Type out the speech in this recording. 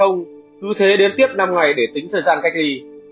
cứ thế đến tiếp năm ngày để tính thời gian cách ly